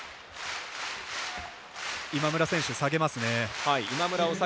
今村選手、下げますね。